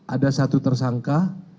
ada satu tersangka